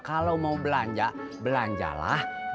kalau mau belanja belanjalah